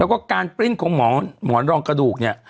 แล้วก็การปริ้นของหมอนรองกระดูกเนี่ย